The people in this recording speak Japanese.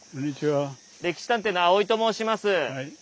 「歴史探偵」の青井と申します。